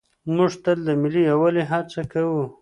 موږ تل د ملي یووالي هڅه کوو.